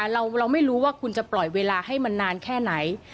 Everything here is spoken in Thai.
เราไม่รู้ว่าคุณจะปล่อยเวลาให้มันนานแค่ไหน